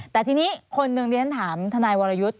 แต่ทีนี้คนเมืองเดียนถามธนายวรยุทธ์